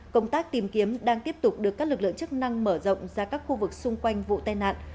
công tác tìm kiếm đang tiếp tục được các lực lượng chức năng mở rộng ra các khu vực xung quanh vụ tai nạn